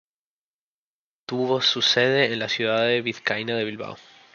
Tuvo su sede en la ciudad vizcaína de Bilbao.